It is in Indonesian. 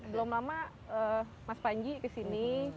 belum lama mas panji kesini